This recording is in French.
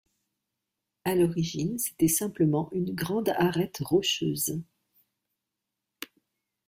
À l'origine, c'était simplement une grande arête rocheuse.